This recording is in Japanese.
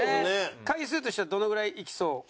回数としてはどのぐらいいきそう？